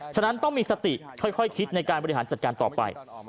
ฉะนั้นต้องมีสติค่อยคิดในการบริหารจัดการต่อไป